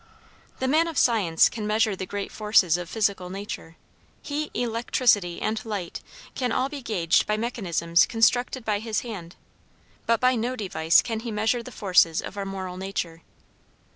The man of science can measure the great forces of physical nature; heat, electricity, and light can all be gauged by mechanisms constructed by his hand, but by no device can he measure the forces of our moral nature.